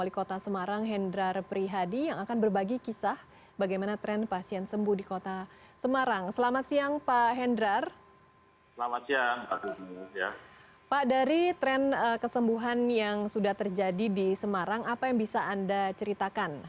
ya hari ini kita mendapati ada informasi yang mengembirakan